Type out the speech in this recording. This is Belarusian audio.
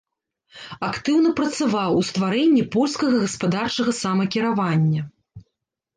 Актыўна працаваў у стварэнні польскага гаспадарчага самакіравання.